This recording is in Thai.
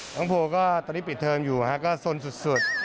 น้องโภก็ตอนนี้ปิดเทอมอยู่ก็สนสุด